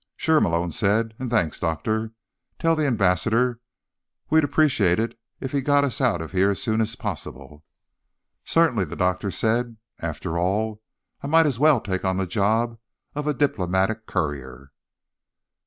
"Sure," Malone said. "And thanks, Doctor. Tell the ambassador we'd appreciate it if he got us out of here as soon as possible." "Certainly," the doctor said. "After all, I might as well take on the job of a diplomatic courier."